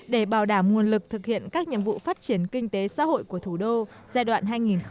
để bảo đảm nguồn lực thực hiện các nhiệm vụ phát triển kinh tế xã hội của thủ đô giai đoạn hai nghìn hai mươi một hai nghìn hai mươi năm